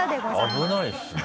危ないですね。